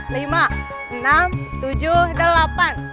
lima enam tujuh delapan